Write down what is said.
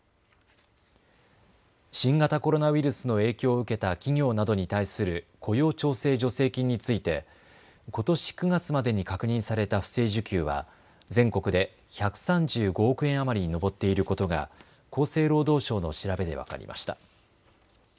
新型コロナウイルスの影響を受けた企業などに対する雇用調整助成金についてことし９月までに確認された不正受給は全国で１３５億円余りに上っていることが厚生労働省の調べで分かりました。